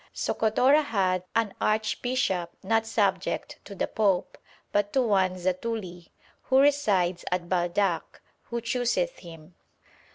Socotora hath an archbishop not subject to the Pope, but to one Zatuli, who resides at Baldach, who chooseth him.'